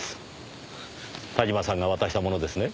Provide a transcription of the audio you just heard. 田島さんが渡したものですね？